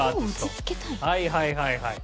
はいはいはいはい。